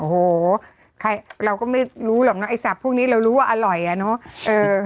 โอ้โหใครเราก็ไม่รู้หรอกนะไอ้สับพวกนี้เรารู้ว่าอร่อยอ่ะเนอะ